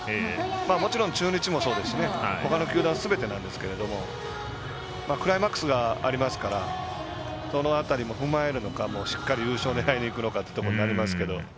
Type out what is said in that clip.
もちろん中日もそうですしほかの球団、すべてですけどクライマックスがありますからその辺りも踏まえるのかしっかり優勝を狙いにいくのかになりますけども。